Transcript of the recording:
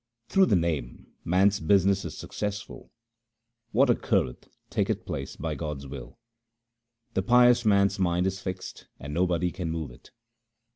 Through the Name man's business is successful ; what occurreth taketh place by God's will. The pious man's mind is fixed, and nobody can move it.